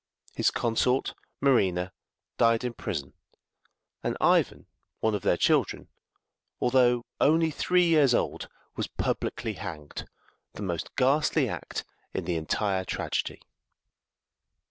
His consort, Marina, died in prison, and Ivan, one of their children, although only three years old, was publicly hanged the most ghastly act in the entire tragedy!